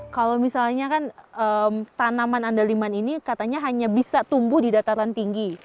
kalau misalnya kan tanaman andaliman ini katanya hanya bisa tumbuh di dataran tinggi